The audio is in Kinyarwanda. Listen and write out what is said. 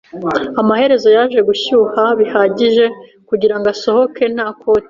Amaherezo yaje gushyuha bihagije kugirango asohoke nta koti.